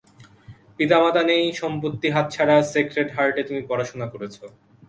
পিতামাতা নেই, সম্পত্তি হাতছাড়া, স্যাক্রেড হার্টে তুমি পড়াশোনা করেছ।